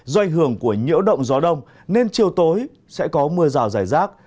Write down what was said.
do ảnh hưởng của nhiễu động gió đông nên chiều tối sẽ có mưa rào rải rác